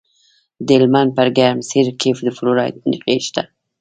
د هلمند په ګرمسیر کې د فلورایټ نښې شته.